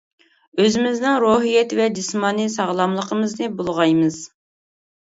ئۆزىمىزنىڭ روھىيەت ۋە جىسمانىي ساغلاملىقىمىزنى بۇلغايمىز.